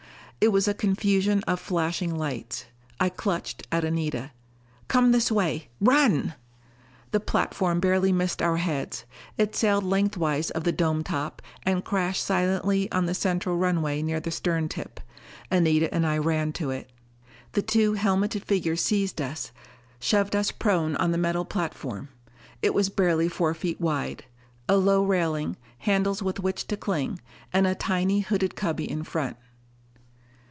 It was a confusion of flashing lights. I clutched at Anita. "Come this way run!" The platform barely missed our heads. It sailed lengthwise of the dome top, and crashed silently on the central runway near the stern tip. Anita and I ran to it. The two helmeted figures seized us, shoved us prone on the metal platform. It was barely four feet wide; a low railing, handles with which to cling, and a tiny hooded cubby in front.